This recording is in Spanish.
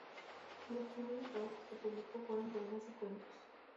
Los primeros trabajos que publicó fueron poemas y cuentos.